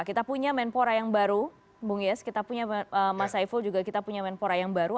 kita punya menpora yang baru bung yes kita punya mas saiful juga kita punya menpora yang baru